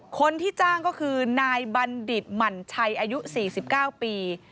คนที่จ้างก็คือนายบัณฑิตหมั่นชัยอายุ๔๙ปี